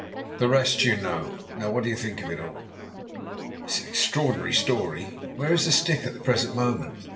The rest you know. Now what do you think of it all?" "It's an extraordinary story. Where is the stick at the present moment?"